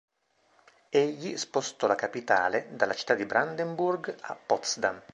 Egli spostò la capitale dalla città di Brandenburg a Potsdam.